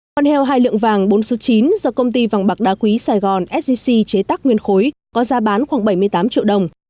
con heo hai lượng vàng bốn số chín do công ty vàng bạc đá quý sài gòn sgc chế tác nguyên khối có giá bán khoảng bảy mươi tám triệu đồng